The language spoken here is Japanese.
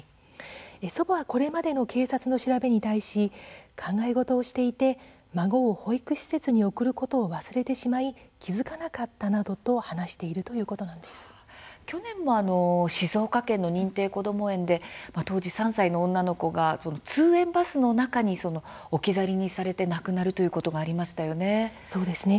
祖母はこれまでの警察の調べに対し考え事をしていて孫を保育施設に送ることを忘れてしまい気付かなかったなどと話している去年も静岡県の認定こども園で当時３歳の女の子が通園バスの中に置き去りにされて亡くなるということがそうですね